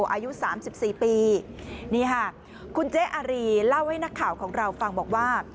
อายุสามสิบสี่ปีนี่ค่ะคุณเจ๊อารีเล่าให้นักข่าวของเราฟังบอกว่า